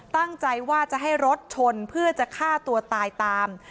ตั้งใจว่าจะให้รถชนเพื่อจะฆ่าตัวตายตาม